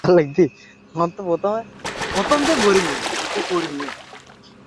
একপর্যায়ে ডাকাতেরা দরজা ভেঙে ঘরে ঢুকে অস্ত্রের মুখে সবাইকে জিম্মি করে।